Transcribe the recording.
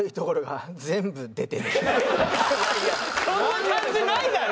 そんな感じないだろ！